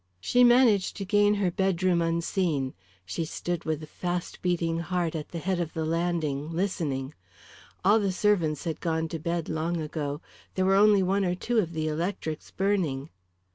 She managed to gain her bedroom unseen, she stood with a fast beating heart at the head of the landing listening. All the servants had gone to bed long ago, there were only one or two of the electrics burning.